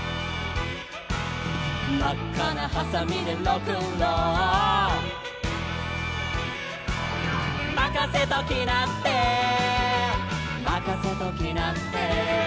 「まっかなはさみでロックンロール」「まかせときなってまかせときなって」